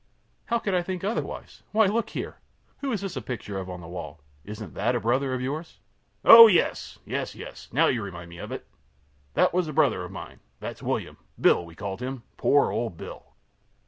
Q. How could I think otherwise? Why, look here! Who is this a picture of on the wall? Isn't that a brother of yours? A. Oh, yes, yes, yes! Now you remind me of it; that was a brother of mine. That's William Bill we called him. Poor old Bill!